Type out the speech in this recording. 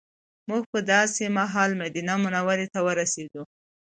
موږ په داسې مهال مدینې منورې ته ورسېدو.